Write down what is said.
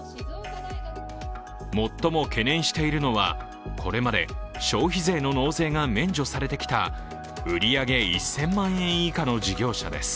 最も懸念しているのはこれまで消費税の納税が免除されてきた売上１０００万円以下の事業者です。